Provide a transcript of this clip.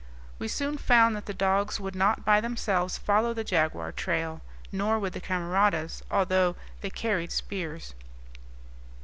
We soon found that the dogs would not by themselves follow the jaguar trail; nor would the camaradas, although they carried spears.